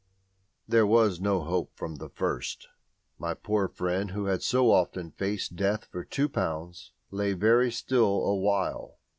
There was no hope from the first. My poor friend, who had so often faced Death for two pounds, lay very still awhile.